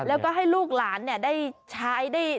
แล้วก็ให้ลูกหลานได้ใช้ได้